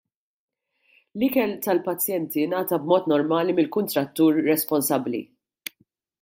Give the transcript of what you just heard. L-ikel tal-pazjenti ngħata b'mod normali mill-kuntrattur responsabbli.